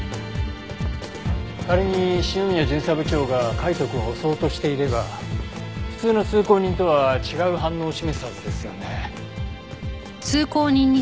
仮に篠宮巡査部長が海斗くんを襲おうとしていれば普通の通行人とは違う反応を示すはずですよね。